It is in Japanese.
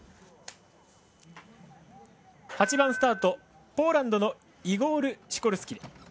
８番スタート、ポーランドのイゴール・シコルスキ。